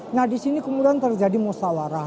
nah disini kemudian terjadi musawarah